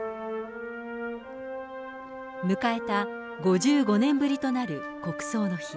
迎えた５５年ぶりとなる国葬の日。